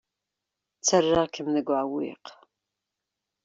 Ttarraɣ-kem deg uɛewwiq.